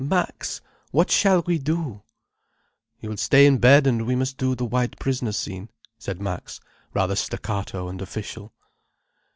"Max, what shall we do?" "You will stay in bed, and we must do the White Prisoner scene," said Max, rather staccato and official.